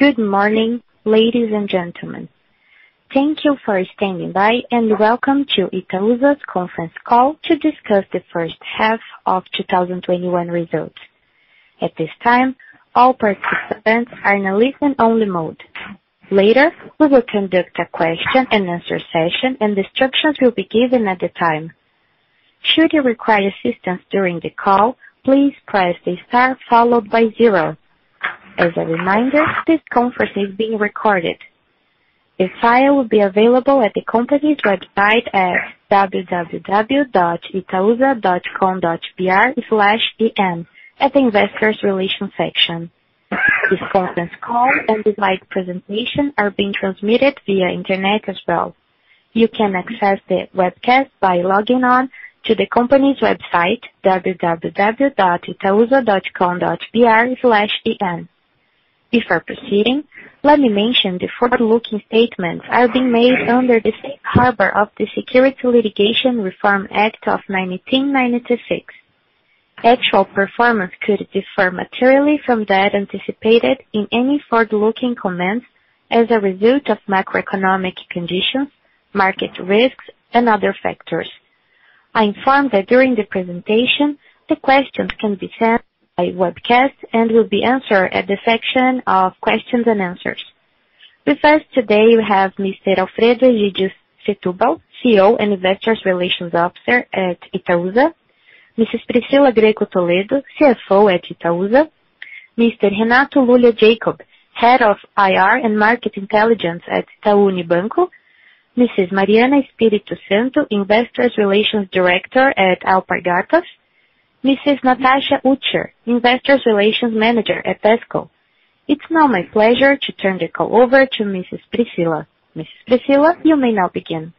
Good morning, ladies and gentlemen. Thank you for standing by. Welcome to Itaúsa's Conference Call to discuss the first half of 2021 results. At this time, all participants are in a listen-only mode. Later, we will conduct a question-and-answer session. Instructions will be given at the time. Should you require assistance during the call, please press star followed by 0. As a reminder, this conference is being recorded. A file will be available at the company's website at www.itausa.com.br/en at the Investor Relations section. This conference call and the live presentation are being transmitted via internet as well. You can access the webcast by logging on to the company's website, www.itausa.com.br/en. Before proceeding, let me mention the forward-looking statements are being made under the safe harbor of the Private Securities Litigation Reform Act of 1996. Actual performance could differ materially from that anticipated in any forward-looking comments as a result of macroeconomic conditions, market risks, and other factors. I inform that during the presentation, the questions can be sent by webcast and will be answered at the section of questions and answers. With us today, we have Mr. Alfredo Egydio Setubal, CEO and Investor Relations Officer at Itaúsa; Mrs. Priscila Grecco Toledo, CFO at Itaúsa; Mr. Renato Lulia Jacob, Head of IR and Market Intelligence at Itaú Unibanco; Mrs. Mariana Espírito Santo, Investor Relations Director at Alpargatas; Mrs. Natasha Utescher, Investor Relations Manager at Dexco. It's now my pleasure to turn the call over to Mrs. Priscila. Mrs. Priscila, you may now begin.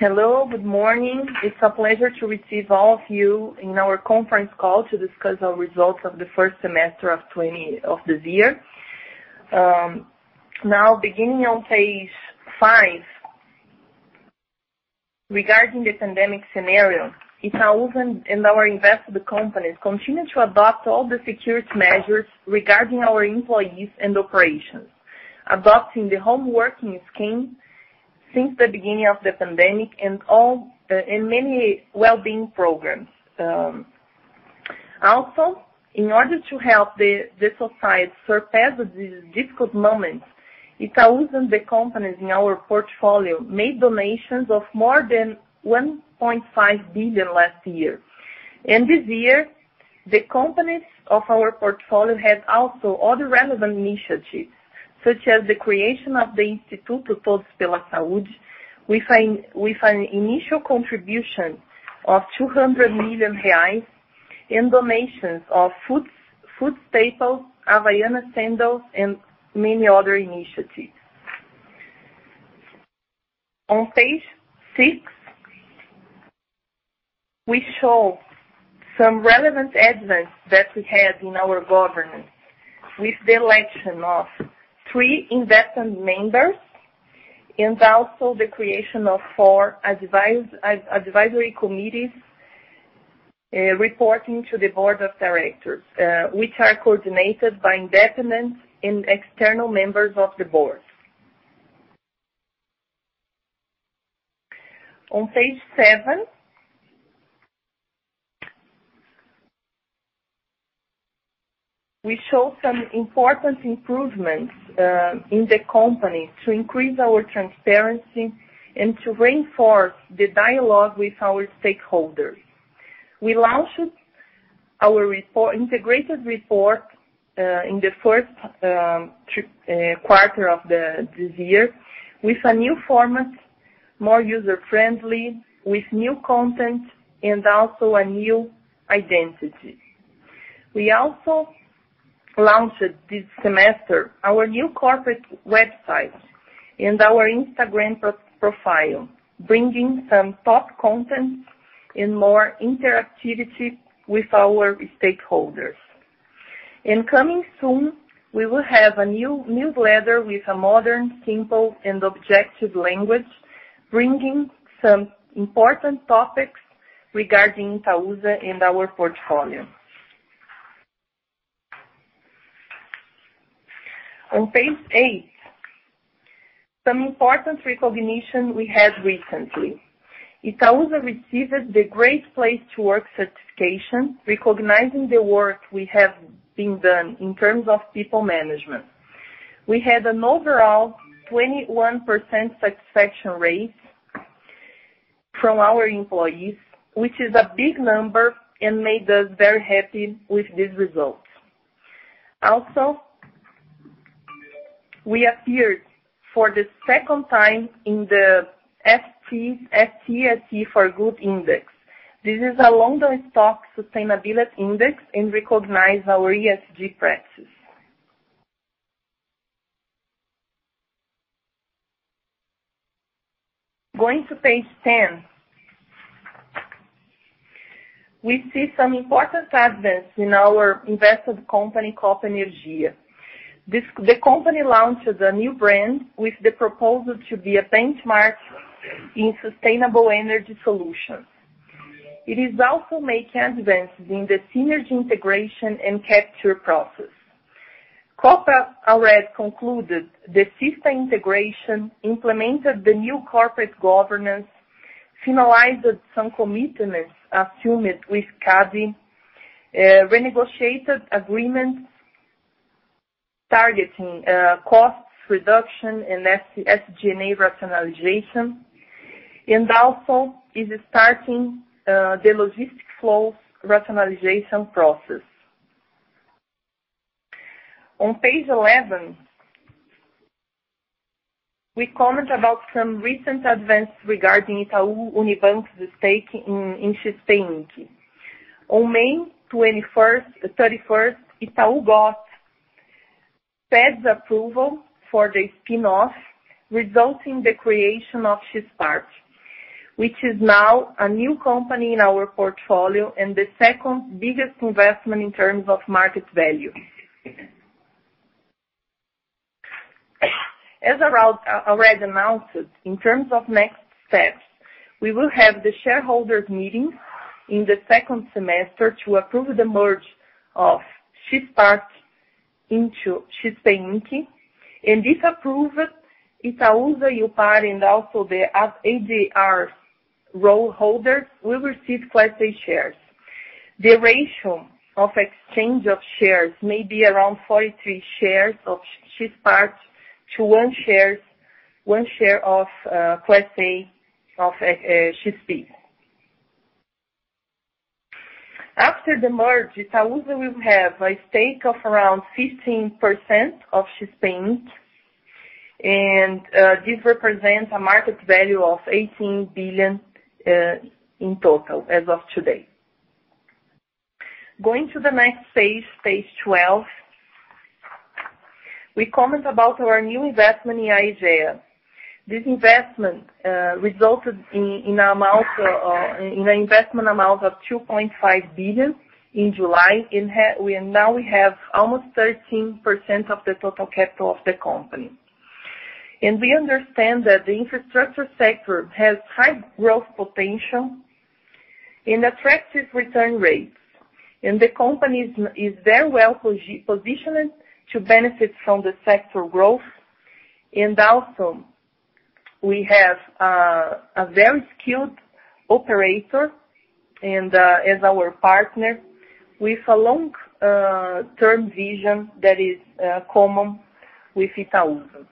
Hello. Good morning. It's a pleasure to receive all of you in our conference call to discuss our results of the first semester of this year. Now, beginning on page 5, regarding the pandemic scenario, Itaúsa and our invested companies continue to adopt all the security measures regarding our employees and operations, adopting the home working scheme since the beginning of the pandemic and many well-being programs. In order to help the society surpass this difficult moment, Itaúsa and the companies in our portfolio made donations of more than 1.5 billion last year. This year, the companies of our portfolio had also other relevant initiatives, such as the creation of the Instituto Todos pela Saúde with an initial contribution of 200 million reais and donations of food staples, Havaianas sandals, and many other initiatives. On page 6, we show some relevant advances that we had in our governance with the election of three independent members and also the creation of four advisory committees reporting to the board of directors, which are coordinated by independent and external members of the board. On page 7, we show some important improvements in the company to increase our transparency and to reinforce the dialogue with our stakeholders. We launched our integrated report in the first quarter of this year with a new format, more user-friendly, with new content, and also a new identity. We also launched this semester our new corporate website and our Instagram profile, bringing some top content and more interactivity with our stakeholders. Coming soon, we will have a new newsletter with a modern, simple, and objective language, bringing some important topics regarding Itaúsa and our portfolio. On page 8, some important recognition we had recently. Itaúsa received the Great Place To Work certification, recognizing the work we have been done in terms of people management. We had an overall 21% satisfaction rate from our employees, which is a big number and made us very happy with this result. We appeared for the second time in the FTSE4Good Index. This is a London Stock Sustainability Index and recognize our ESG practices. Going to page 10. We see some important advances in our invested company, Copa Energia. The company launched a new brand with the proposal to be a benchmark in sustainable energy solutions. It is also making advances in the synergy integration and capture process. Copa already concluded the system integration, implemented the new corporate governance, finalized some commitments assumed with CADE, renegotiated agreements targeting cost reduction and SG&A rationalization, and also is starting the logistic flow rationalization process. On page 11, we comment about some recent advances regarding Itaú Unibanco's stake in XP Inc.. On May 31st, Itaú got Fed's approval for the spin-off, resulting in the creation of XPart, which is now a new company in our portfolio and the second biggest investment in terms of market value. As I already announced, in terms of next steps, we will have the shareholders meeting in the second semester to approve the merge of XPart into XP Inc., and if approved, Itaúsa, IUPAR, and also the ADR role holders will receive Class A shares. The ratio of exchange of shares may be around 43 shares of XPart to one share of Class A of XP Inc.. After the merge, Itaúsa will have a stake of around 15% of XP Inc., this represents a market value of $18 billion in total as of today. Going to the next page 12, we comment about our new investment in Aegea. This investment resulted in an investment amount of 2.5 billion in July, now we have almost 13% of the total capital of the company. We understand that the infrastructure sector has high growth potential and attractive return rates, the company is very well-positioned to benefit from the sector growth. Also, we have a very skilled operator as our partner with a long-term vision that is common with Itaúsa.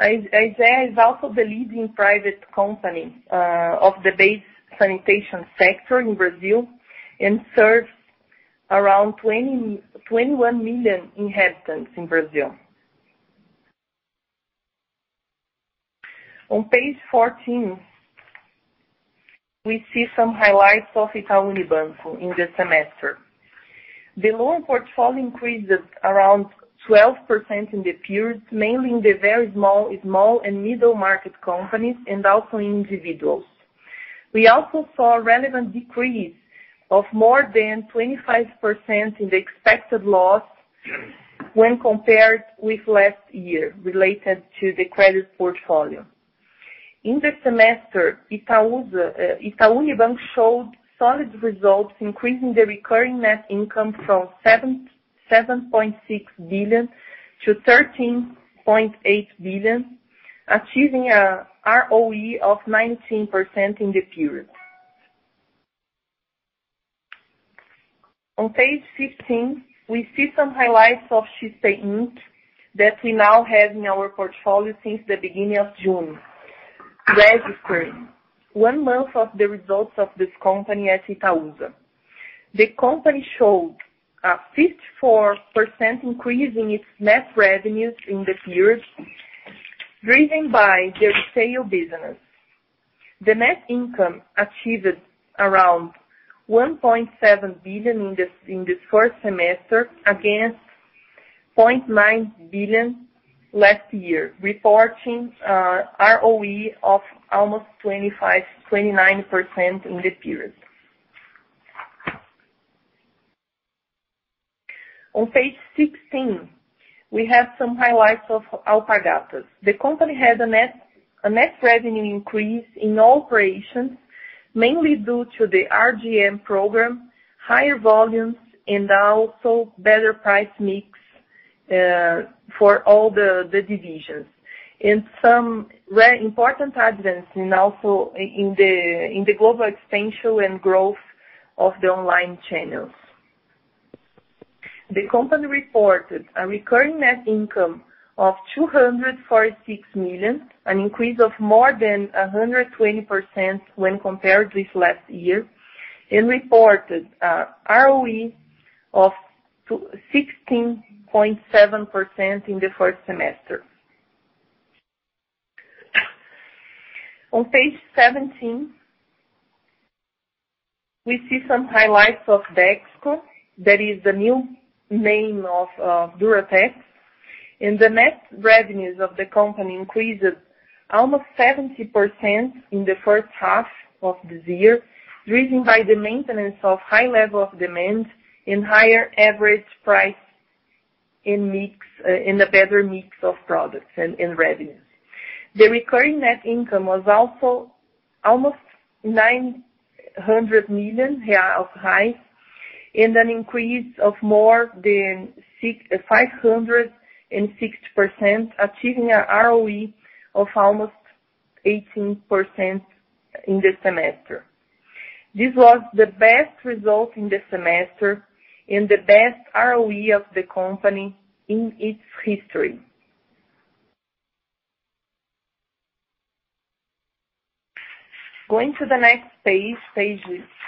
Aegea is also the leading private company of the base sanitation sector in Brazil and serves around 21 million inhabitants in Brazil. On page 14, we see some highlights of Itaú Unibanco in the semester. The loan portfolio increased around 12% in the period, mainly in the very small and middle-market companies, and also in individuals. We also saw a relevant decrease of more than 25% in the expected loss when compared with last year related to the credit portfolio. In the semester, Itaú Unibanco showed solid results, increasing the recurring net income from 7.6 billion to 13.8 billion, achieving a ROE of 19% in the period. On page 15, we see some highlights of Copagaz that we now have in our portfolio since the beginning of June, registering one month of the results of this company at Itaúsa. The company showed a 54% increase in its net revenues in the period, driven by their sale business. The net income achieved around 1.7 billion in the first semester against 0.9 billion last year, reporting ROE of almost 29% in the period. On page 16, we have some highlights of Alpargatas. The company had a net revenue increase in all operations, mainly due to the RGM program, higher volumes, and also better price mix for all the divisions, and some very important advances also in the global expansion and growth of the online channels. The company reported a recurring net income of 246 million, an increase of more than 120% when compared with last year, and reported ROE of 16.7% in the first semester. On page 17, we see some highlights of Dexco. That is the new name of Duratex. The net revenues of the company increases almost 70% in the first half of this year, driven by the maintenance of high level of demand and higher average price and a better mix of products and revenues. The recurring net income was also almost 900 million of high and an increase of more than 560%, achieving a ROE of almost 18% in the semester. This was the best result in the semester and the best ROE of the company in its history. Going to the next page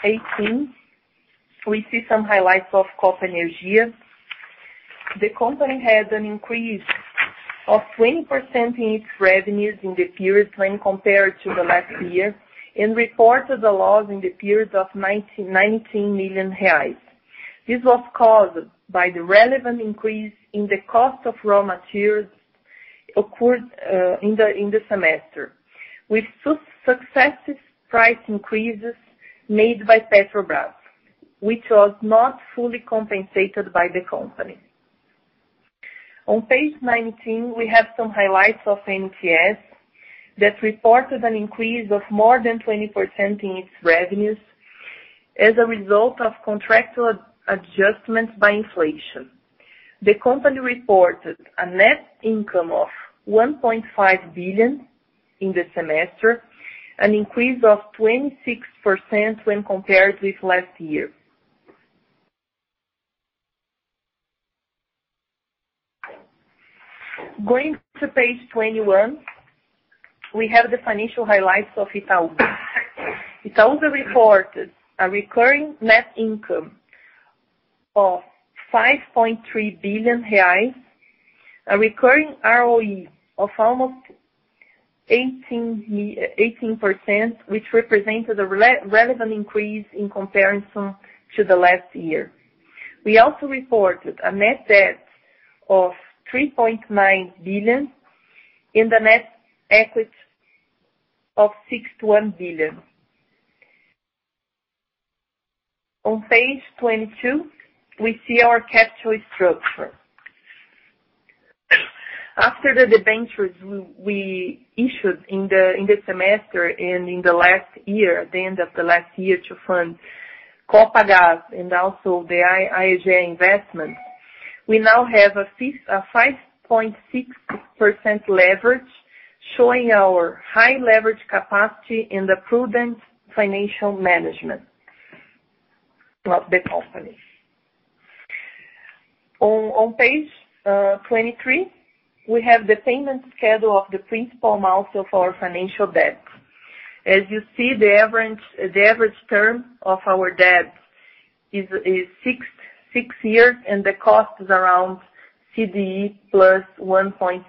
18, we see some highlights of Copa Energia. The company had an increase of 20% in its revenues in the period when compared to the last year and reported a loss in the period of 19 million reais. This was caused by the relevant increase in the cost of raw materials occurred in the semester, with successive price increases made by Petrobras, which was not fully compensated by the company. On page 19, we have some highlights of NTS that reported an increase of more than 20% in its revenues as a result of contractual adjustments by inflation. The company reported a net income of 1.5 billion in the semester, an increase of 26% when compared with last year. Going to page 21, we have the financial highlights of Itaú. Itaú reported a recurring net income of 5.3 billion reais, a recurring ROE of almost 18%, which represented a relevant increase in comparison to the last year. We also reported a net debt of 3.9 billion and a net equity of 6.1 billion. On page 22, we see our capital structure. After the debentures we issued in the semester and in the last year, at the end of the last year, to fund Copagaz and also the Aegea investment, we now have a 5.6% leverage showing our high leverage capacity and the prudent financial management of the company. On page 23, we have the payment schedule of the principal amount of our financial debt. As you see, the average term of our debt is six years, and the cost is around CDI plus 1.6%.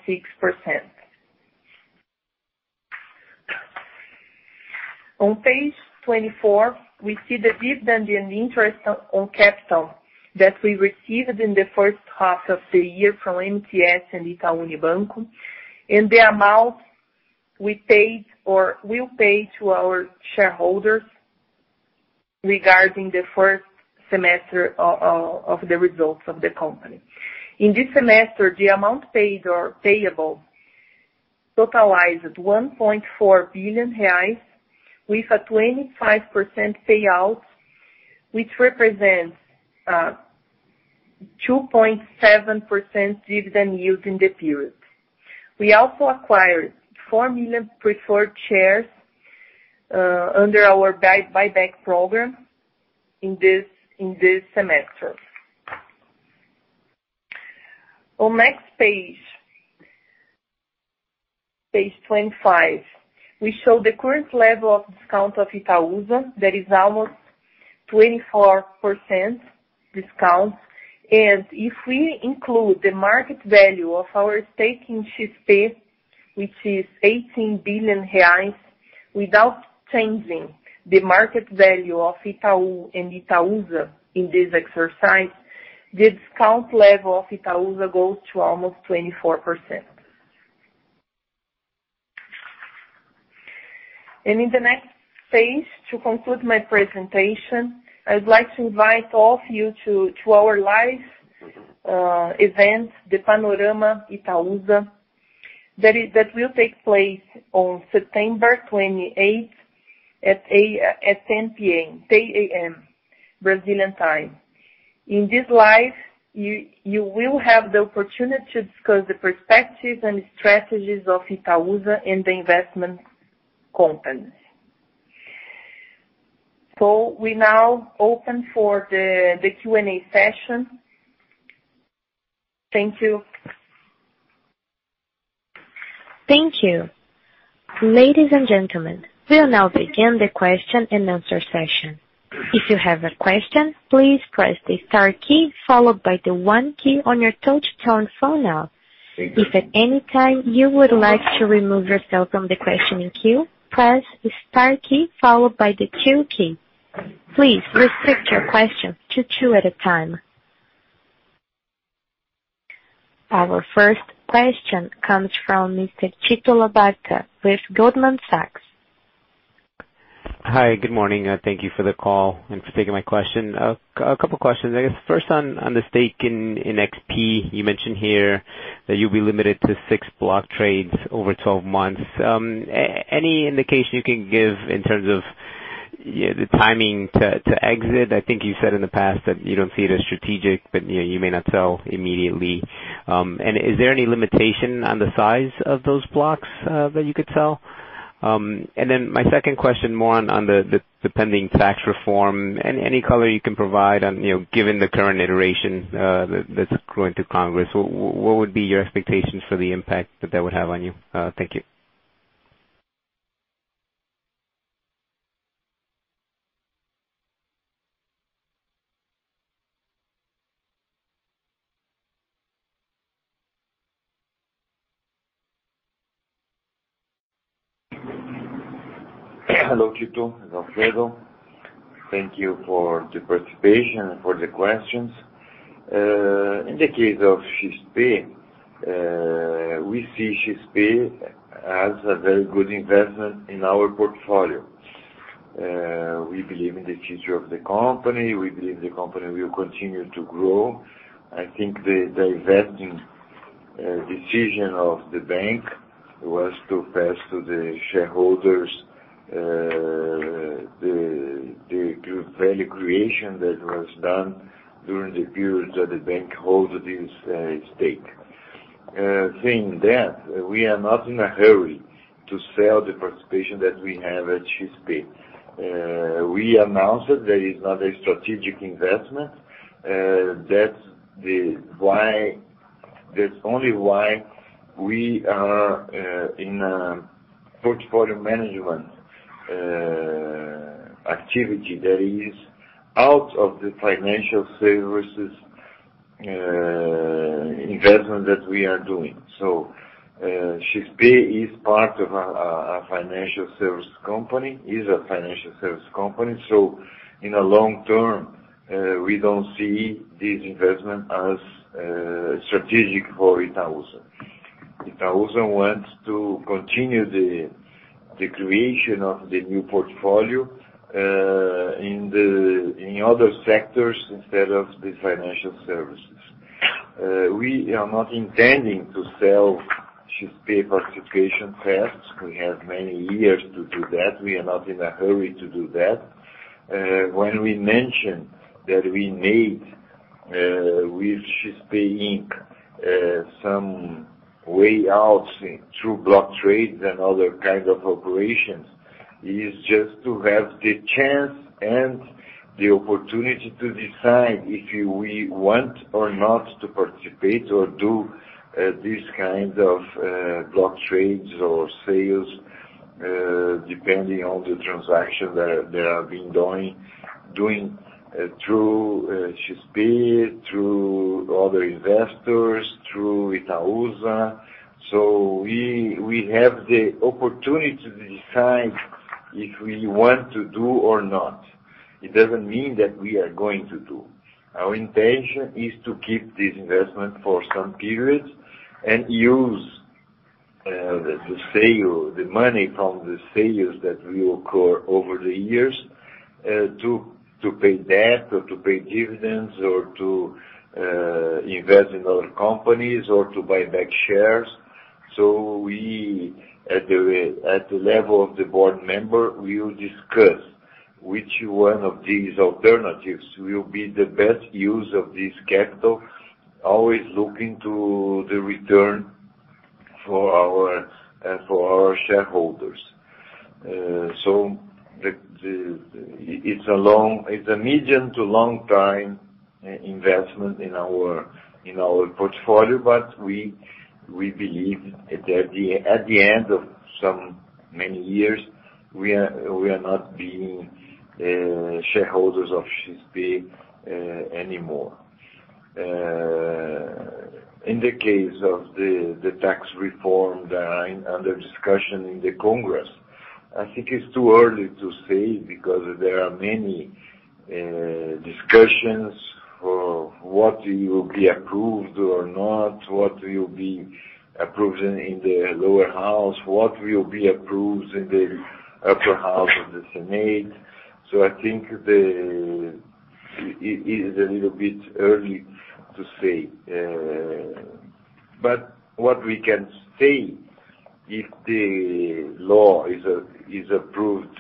On page 24, we see the dividend and interest on capital that we received in the first half of the year from NTS and Itaú Unibanco, and the amount we paid or will pay to our shareholders regarding the first semester of the results of the company. In this semester, the amount paid or payable totalized BRL 1.4 billion with a 25% payout, which represents 2.7% dividend yield in the period. We also acquired 4 million preferred shares under our buy-back program in this semester. On next page 25, we show the current level of discount of Itaúsa. That is almost 24% discount. If we include the market value of our stake in XP, which is 18 billion reais, without changing the market value of Itaú and Itaúsa in this exercise, the discount level of Itaúsa goes to almost 24%. In the next page, to conclude my presentation, I would like to invite all of you to our live event, the Panorama Itaúsa. That will take place on September 28th at 10:00 A.M. Brazilian time. In this live, you will have the opportunity to discuss the perspectives and strategies of Itaúsa and the investment company. We now open for the Q&A session. Thank you. Thank you. Ladies and gentlemen, we'll now begin the question-and-answer session. If you have a question, please press the star key followed by the one key on your touch-tone phone now. If at any time you would like to remove yourself from the questioning queue, press the star key followed by the two key. Please restrict your question to two at a time. Our first question comes from Mr. Tito Labarta with Goldman Sachs. Hi, good morning. Thank you for the call and for taking my question. A couple questions. I guess first on the stake in XP, you mentioned here that you'll be limited to six block trades over 12 months. Any indication you can give in terms of the timing to exit? I think you said in the past that you don't see it as strategic, but you may not sell immediately. Is there any limitation on the size of those blocks that you could sell? My second question more on the pending tax reform. Any color you can provide on, given the current iteration that's going through Congress, what would be your expectations for the impact that that would have on you? Thank you. Hello, Tito. It's Alfredo. Thank you for the participation and for the questions. In the case of XP, we see XP as a very good investment in our portfolio. We believe in the future of the company, we believe the company will continue to grow. I think the divesting decision of the bank was to pass to the shareholders the value creation that was done during the period that the bank hold this stake. Saying that, we are not in a hurry to sell the participation that we have at XP. We announced that there is not a strategic investment. That's only why we are in a portfolio management activity that is out of the financial services investment that we are doing. XP is part of a financial service company, is a financial service company, so in a long term, we don't see this investment as strategic for Itaúsa. Itaúsa wants to continue the creation of the new portfolio in other sectors instead of the financial services. We are not intending to sell XP participation fast. We have many years to do that. We are not in a hurry to do that. When we mention that we made with XP Inc., some way out through block trades and other kinds of operations, is just to have the chance and the opportunity to decide if we want or not to participate or do these kinds of block trades or sales depending on the transaction that are being doing through XP, through other investors, through Itaúsa. We have the opportunity to decide if we want to do or not. It doesn't mean that we are going to do. Our intention is to keep this investment for some periods and use the money from the sales that will occur over the years to pay debt or to pay dividends or to invest in other companies or to buy back shares. We, at the level of the board member, will discuss which one of these alternatives will be the best use of this capital, always looking to the return for our shareholders. It's a medium to long time investment in our portfolio, but we believe that at the end of some many years, we are not being shareholders of XP anymore. In the case of the tax reform that are under discussion in the Congress, I think it is too early to say because there are many discussions for what will be approved or not, what will be approved in the lower house, what will be approved in the upper house, in the Senate. I think it is a little bit early to say. What we can say, if the law is approved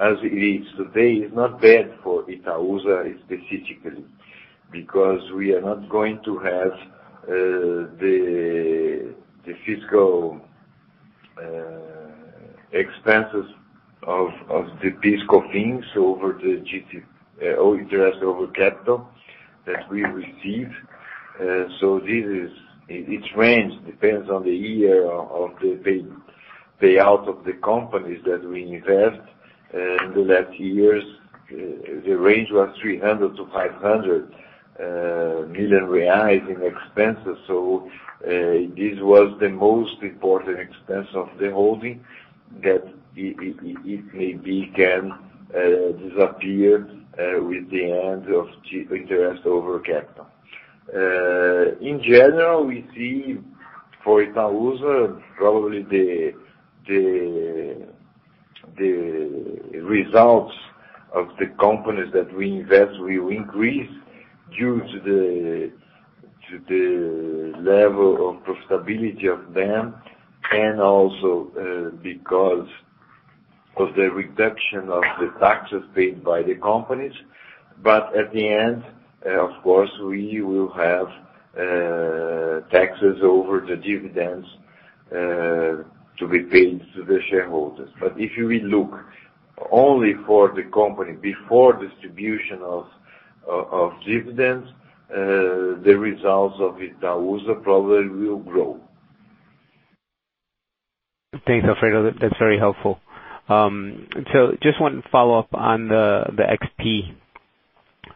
as it is today, it is not bad for Itaúsa specifically, because we are not going to have the fiscal expenses of the PIS/COFINS over the JCP or interest over capital that we receive. This range depends on the year of the payout of the companies that we invest. In the last years, the range was 300 million-500 million reais in expenses. This was the most important expense of the holding that it maybe can disappear with the end of JCP. We see for Itaúsa, probably the results of the companies that we invest will increase due to the level of profitability of them, and also because of the reduction of the taxes paid by the companies. At the end, of course, we will have taxes over the dividends to be paid to the shareholders. If you will look only for the company before distribution of dividends, the results of Itaúsa probably will grow. Thanks, Alfredo. That's very helpful. just one follow-up on the XP.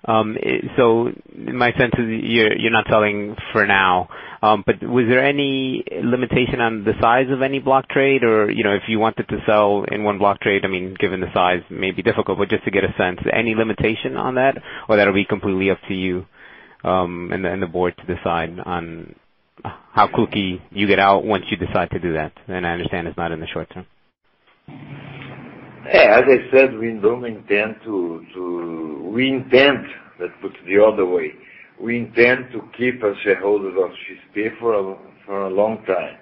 my sense is you're not selling for now. was there any limitation on the size of any block trade, or if you wanted to sell in one block trade, given the size, it may be difficult, but just to get a sense, any limitation on that? that'll be completely up to you and the board to decide on how quickly you get out once you decide to do that, and I understand it's not in the short term. As I said, let's put it the other way. We intend to keep a shareholder of XP for a long time.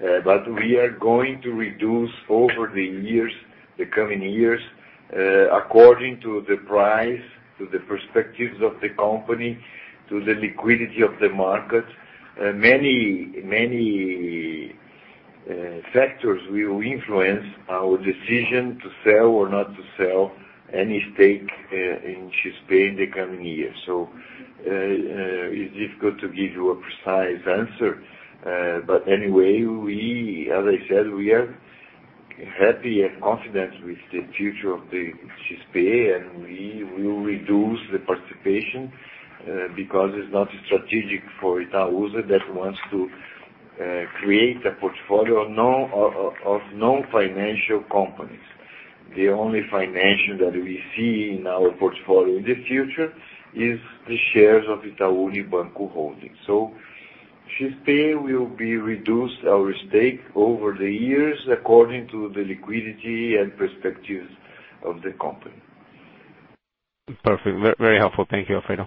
We are going to reduce over the coming years, according to the price, to the perspectives of the company, to the liquidity of the market. Many factors will influence our decision to sell or not to sell any stake in XP in the coming years. It's difficult to give you a precise answer. Anyway, as I said, we are happy and confident with the future of the XP, and we will reduce the participation because it's not strategic for Itaúsa that wants to create a portfolio of non-financial companies. The only financial that we see in our portfolio in the future is the shares of Itaú Unibanco Holdings. XP will be reduced our stake over the years according to the liquidity and perspectives of the company. Perfect. Very helpful. Thank you, Alfredo.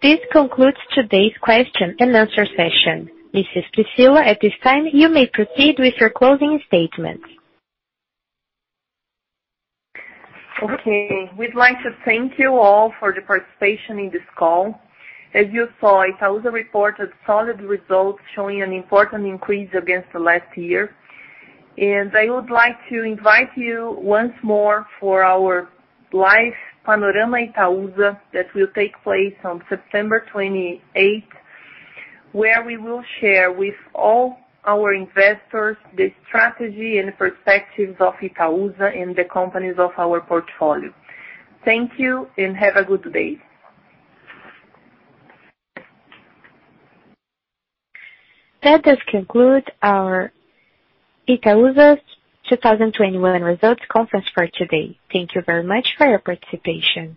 This concludes today's question-and answer session. Mrs. Priscila, at this time, you may proceed with your closing statements. Okay. We'd like to thank you all for the participation in this call. As you saw, Itaúsa reported solid results showing an important increase against the last year. I would like to invite you once more for our live Panorama Itaúsa that will take place on September 28th, where we will share with all our investors the strategy and perspectives of Itaúsa and the companies of our portfolio. Thank you, and have a good day. That does conclude our Itaúsa's 2021 results conference for today. Thank you very much for your participation.